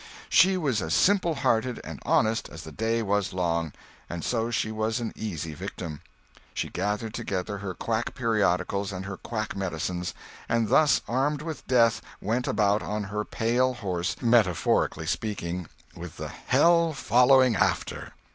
She was as simple hearted and honest as the day was long, and so she was an easy victim. She gathered together her quack periodicals and her quack medicines, and thus armed with death, went about on her pale horse, metaphorically speaking, with "hell following after."